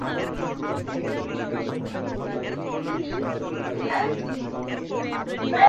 সেখানে থাকা টহল পুলিশের ধাওয়া খেয়ে ট্রাক থামিয়ে চালক পালিয়ে যায়।